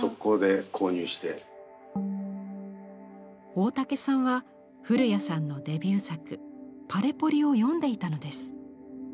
大竹さんは古屋さんのデビュー作「Ｐａｌｅｐｏｌｉ」を読んでいたのです。